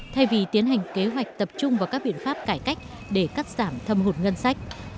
thay vì tiến hành kế hoạch tập trung vào các biện pháp cải cách để cắt giảm thâm hụt ngân sách